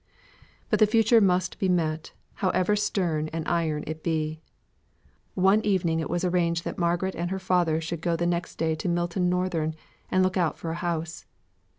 But the future must be met, however stern and iron it be. One evening it was arranged that Margaret and her father should go the next day to Milton Northern, and look out for a house.